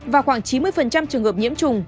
và khoảng chín mươi trường hợp nhiễm trùng